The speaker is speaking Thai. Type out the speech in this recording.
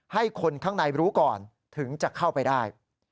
ให้คนข้างในรู้ก่อนถึงจะเข้าไปได้